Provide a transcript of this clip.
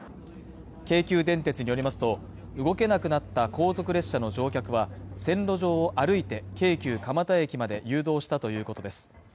京急電鉄によりますと、動けなくなった後続列車の乗客は、線路上を歩いて京急蒲田駅まで誘導したということです。